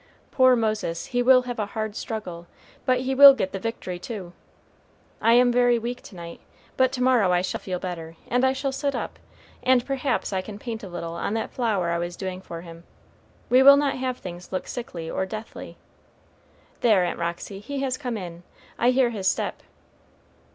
Poor Moses! he will have a hard struggle, but he will get the victory, too. I am very weak to night, but to morrow I shall feel better, and I shall sit up, and perhaps I can paint a little on that flower I was doing for him. We will not have things look sickly or deathly. There, Aunt Roxy, he has come in; I hear his step."